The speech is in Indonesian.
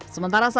sementara saat itu